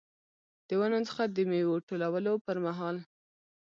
د ونو څخه د میوو ټولولو پرمهال.